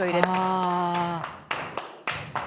「ああ！」